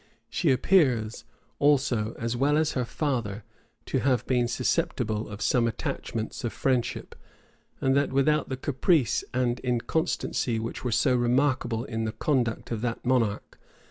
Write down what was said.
She appears, also, as well as her father, to have been susceptible of some attachments of friendship; and that without the caprice and inconstancy which were so remarkable in the conduct of that monarch.